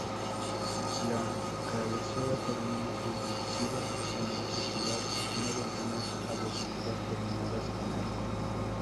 La cabecera termina en ábside semicircular y tiene ventanas abocinadas terminadas en arco.